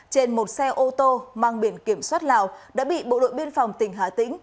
trên một xe ô tô mang biển kiểm soát lào đã bị bộ đội biên phòng tỉnh hà tĩnh